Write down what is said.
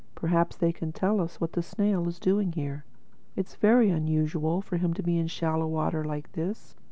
Perhaps they can tell us what the snail is doing here—It's very unusual for him to be in shallow water like this.